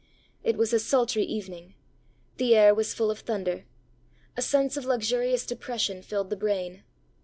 It was a sultry evening. The air was full of thunder. A sense of luxurious depression filled the brain.